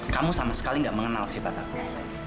kamu sama sekali gak mengenal sifat aku